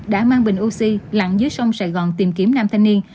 đã mang bình oxy lặng dưới sông sài gòn tìm kiếm nam thanh niên